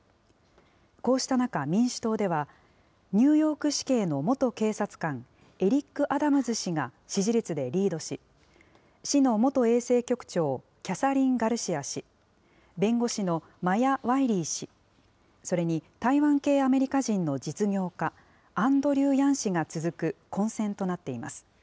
こうした中、民主党では、ニューヨーク市警の元警察官、エリック・アダムズ氏が支持率でリードし、市の元衛生局長、キャサリン・ガルシア氏、弁護士のマヤ・ワイリー氏、それに台湾系アメリカ人の実業家、アンドリュー・ヤン氏が続く混戦となっています。